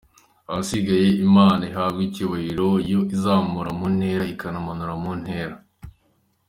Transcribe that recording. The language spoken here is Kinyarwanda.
Ahasigaye Imana ihabwe icyubahiro yo izamura mu ntera ikanamanura mu ntera.